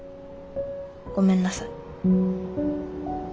ごめんなさい。